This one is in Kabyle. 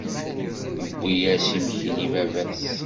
Yewwi-yas imekli i baba-s?